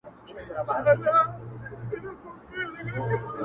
زوره وره هيبتناكه تكه توره؛